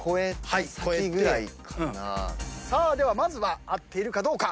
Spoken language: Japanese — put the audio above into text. さあではまずは合っているかどうか。